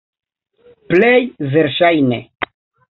Plej verŝajne.